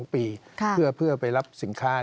๒ปีเพื่อไปรับสินค้า